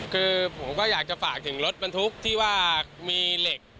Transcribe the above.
คือผมก็อยากจะฝากถึงรถบรรทุกที่ว่ามีเหล็ก